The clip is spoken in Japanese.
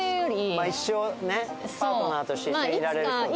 まあ一生ねパートナーとして一緒にいられる人ね。